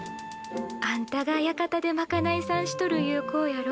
あんたが屋形でまかないさんしとるゆう子やろ？